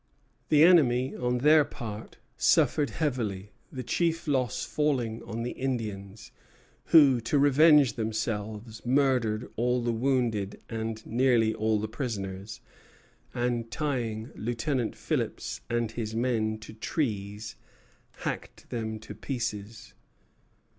The enemy on their part suffered heavily, the chief loss falling on the Indians; who, to revenge themselves, murdered all the wounded and nearly all the prisoners, and tying Lieutenant Phillips and his men to trees, hacked them to pieces.